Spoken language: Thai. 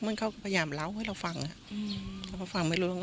มันเขาก็พยายามเล่าให้เราฟังถ้าฟังไม่รู้เรื่อง